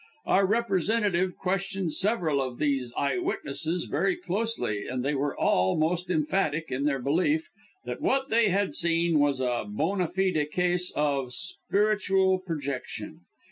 Our representative questioned several of these eye witnesses very closely, and they were all most emphatic in their belief that what they had seen was a bona fide case of spiritual projection.